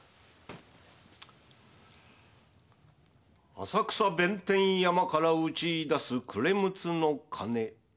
「浅草弁天山から打ちいだす暮れ六ッの鐘。